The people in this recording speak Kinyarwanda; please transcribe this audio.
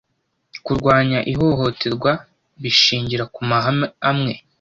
Kurwanya ihohoterwa b ishingira ku mahame amwe